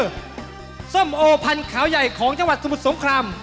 ส้มโอพันธ์ขาวใหญ่ของจังหวัดสมุทรสงคราม